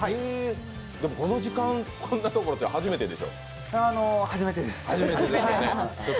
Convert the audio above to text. この時間でこんなところって初めてでしょ。